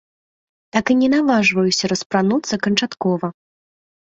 Так і не наважваюся распрануцца канчаткова.